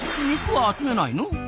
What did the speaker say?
肉は集めないの？